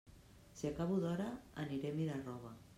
Si acabo d'hora, aniré a mirar roba.